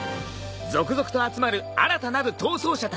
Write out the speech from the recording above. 続々と集まる新たなる逃走者たち。